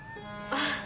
あっ。